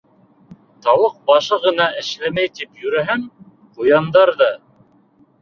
— Тауыҡ башы ғына эшләмәй тип йөрөһәм, ҡуяндар ҙа...